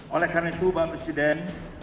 oleh karena itu bapak presiden